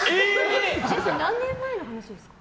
それは何年前の話ですか？